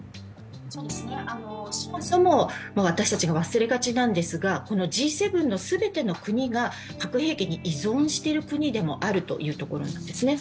そもそも私たちが忘れがちなんですがＧ７の全ての国が核兵器に依存している国でもあるというところなんですね。